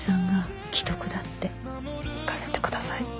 行かせて下さい。